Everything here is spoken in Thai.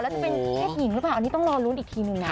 แล้วจะเป็นเพศหญิงหรือเปล่าอันนี้ต้องรอลุ้นอีกทีนึงนะ